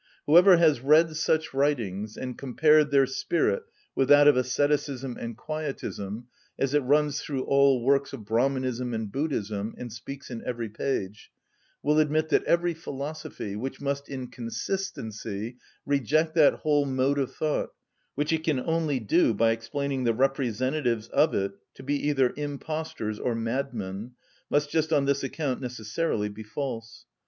Whoever has read such writings, and compared their spirit with that of ascetism and quietism as it runs through all works of Brahmanism and Buddhism, and speaks in every page, will admit that every philosophy, which must in consistency reject that whole mode of thought, which it can only do by explaining the representatives of it to be either impostors or mad‐men, must just on this account necessarily be false.